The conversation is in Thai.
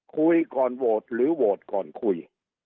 คุยก่อนโหวตหรือโหวตก่อนคุย